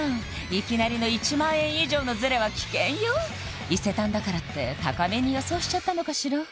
いきなりの１万円以上のズレは危険よ伊勢丹だからって高めに予想しちゃったのかしら？